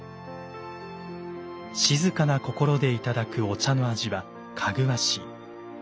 静かな心で頂くお茶の味はかぐわしい。